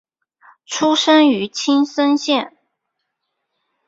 出身于青森县。